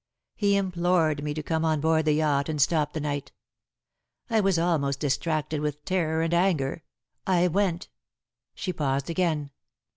He implored me to come on board the yacht and stop the night. I was almost distracted with terror and anger. I went." She paused again.